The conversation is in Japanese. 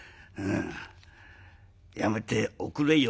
『やめておくれよ